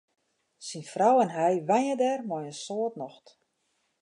Syn frou en hy wenje dêr mei in soad nocht.